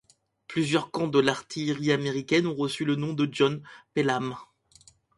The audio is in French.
Plusieurs camps de l'artillerie américaine ont reçu le nom de John Pelham.